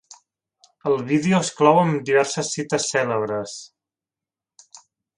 El vídeo es clou amb diverses cites cèlebres.